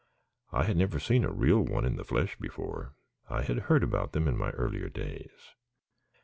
I had never seen a real one in the flesh before. I had heard about them in my earlier days.